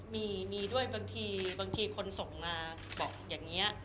มีมีด้วยบางทีบางทีคนส่งมาบอกอย่างนี้